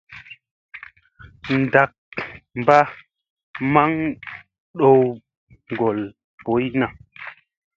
Ndak mba maŋ ɗow ŋgol boy na.